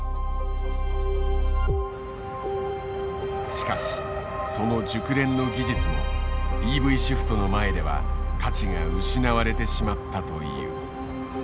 しかしその熟練の技術もＥＶシフトの前では価値が失われてしまったという。